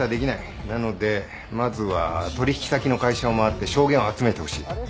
なのでまずは取引先の会社を回って証言を集めてほしい